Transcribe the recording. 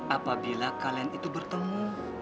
apabila kalian itu bertemu